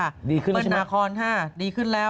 ดีขึ้นแล้วใช่ไหมเปิ้ลนาคอน๕ดีขึ้นแล้ว